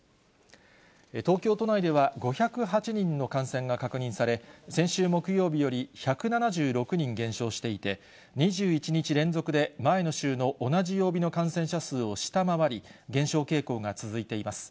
東京都内では５０８人の感染が確認され、先週木曜日より１７６人減少していて、２１日連続で、前の週の同じ曜日の感染者数を下回り、減少傾向が続いています。